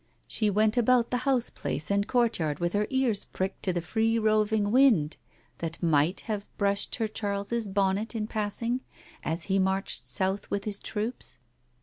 She went about the houseplace and courtyard with her ears pricked to the free roving wind that might have brushed her Charles's bonnet in pass ing, as he marched south with his troops?